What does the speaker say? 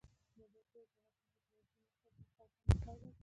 مزارشریف د افغانستان د جغرافیایي موقیعت یوه څرګنده پایله ده.